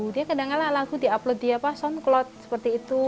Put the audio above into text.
dia kadang kadang lagu diupload di soundcloud seperti itu